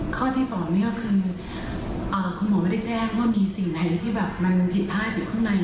ข้อที่๒นี่ก็คือคุณหมอไม่ได้แจ้งว่ามีสิ่งไหนที่แบบมันผิดพลาดอยู่ข้างใน